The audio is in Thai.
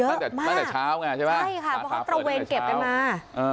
ตั้งแต่ตั้งแต่เช้าไงใช่ไหมใช่ค่ะเพราะเขาตระเวนเก็บกันมา